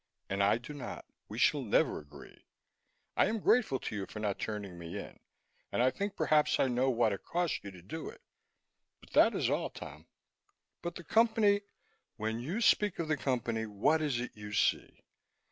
"And I do not. We shall never agree. I am grateful to you for not turning me in, and I think perhaps I know what it cost you to do it. But that is all, Tom." "But the Company " "When you speak of the Company, what is it you see?